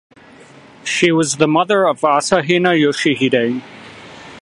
She was the mother of Asahina Yoshihide.